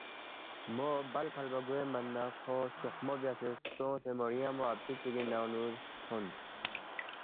مو بَل کھلبا گوے من نہ کھو شوخمو بیاسے سونگسے موڑیانگمو اپی چِگی ننگ نُو تھونس